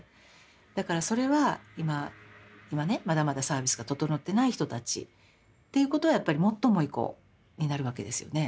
だからそれは今今ねまだまだサービスが整ってない人たちっていうことはやっぱりもっと重い子になるわけですよね。